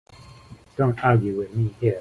Don't argue with me here.